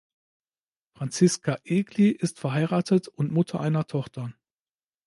Franziska Egli ist verheiratet und Mutter einer Tochter.